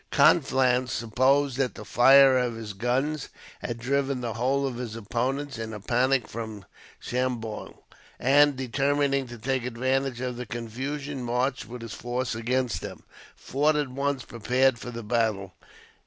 Conflans supposed that the fire of his guns had driven the whole of his opponents in a panic from Chambol; and, determining to take advantage of the confusion, marched with his force against them. Forde at once prepared for the battle.